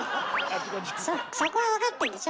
そこは分かってんでしょ？